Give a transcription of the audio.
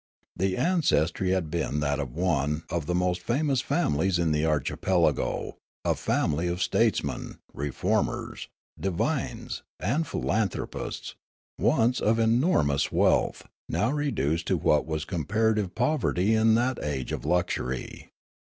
The ancestry had been that of one of the most famous families in the archipelago, a family of statesmen, reformers, divines, and philanthropists, once of enormous wealth, now reduced to what was comparative povert}^ in that age of luxury.